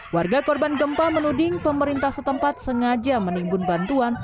warga korban gempa menuding pemerintah setempat sengaja menimbun bantuan